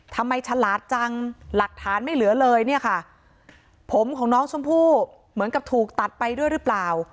ฉลาดจังหลักฐานไม่เหลือเลยเนี่ยค่ะผมของน้องชมพู่เหมือนกับถูกตัดไปด้วยหรือเปล่า